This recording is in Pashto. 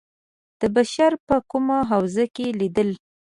د بشر په کومه حوزه کې لېدلي.